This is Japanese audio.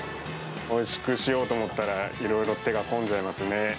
おいしくしようと思ったら、いろいろ手が込んじゃいますね。